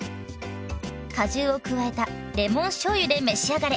果汁を加えたレモンしょうゆで召し上がれ！